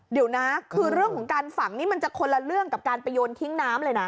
เดี๋ยวนะคือเรื่องของการฝังนี่มันจะคนละเรื่องกับการไปโยนทิ้งน้ำเลยนะ